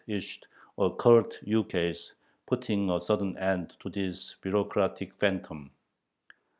issued a curt ukase putting a sudden end to this bureaucratic phantom.